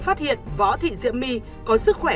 phát hiện võ thị diễm my có sức khỏe